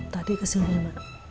tadi kesini mak